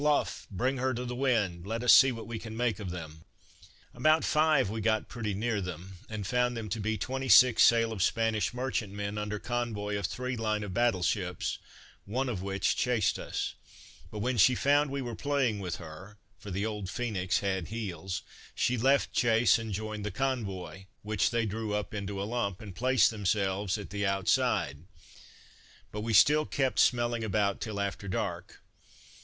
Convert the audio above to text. Luff! bring her to the wind! Let us see what we can make of them." About five we got pretty near them, and found them to be twenty six sail of Spanish merchantmen, under convoy of three line of battle ships, one of which chased us; but when she found we were playing with her (for the old Phoenix had heels) she left chase, and joined the convoy; which they drew up into a lump, and placed themselves at the outside; but we still kept smelling about till after dark.